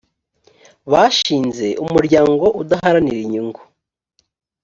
bashinze umuryango udaharanira inyungu